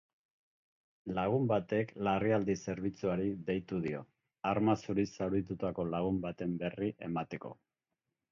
Lagun batek larrialdi-zerbitzuari deitu dio, arma zuriz zauritutako lagun baten berri emateko.